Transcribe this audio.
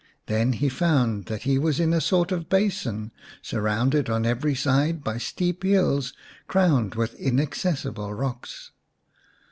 Then he found that he was in a sort of basin sur rounded on every side by steep hills crowned with inaccessible rocks.